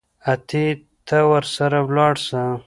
اتې ته ورسره ولاړ سه.